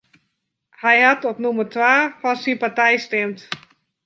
Hy hat op nûmer twa fan syn partij stimd.